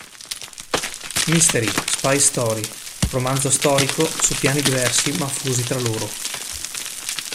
Mystery, spy story, romanzo storico, su piani diversi ma fusi tra loro.